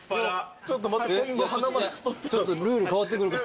ちょっと待って今後はなまるスポット。